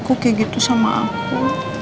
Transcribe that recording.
aku kayak gitu sama aku